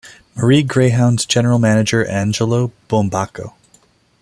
Marie Greyhounds General Manager Angelo Bumbacco.